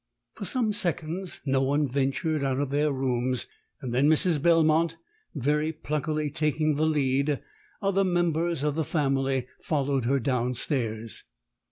"For some seconds no one ventured out of their rooms, and then, Mrs. Belmont very pluckily taking the lead, other members of the family followed her down stairs.